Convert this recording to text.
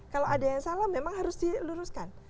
kalau ada yang salah memang harus diluruskan